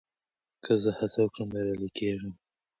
که زه هڅه وکړم، بريالی کېږم.